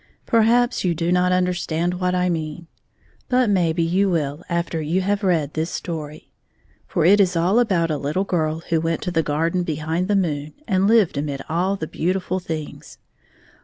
Perhaps you do not understand what I m£an, 3 hut mayhe you will after you have read this story. For it is all about a little girl who went to the garden behind the moon and lived amid all the beautiful things.